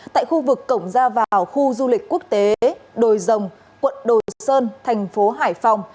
tại khu vực cổng ra vào khu du lịch quốc tế đồi rồng quận đồ sơn thành phố hải phòng